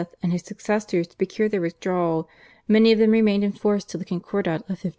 and his successors to procure their withdrawal most of them remained in force till the Concordat of 1516.